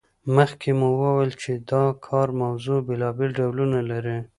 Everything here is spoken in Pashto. مخکې مو وویل چې د کار موضوع بیلابیل ډولونه لري.